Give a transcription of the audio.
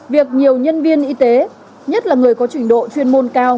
việc nhiều nhân viên y tế nhất là người có trình độ chuyên môn cao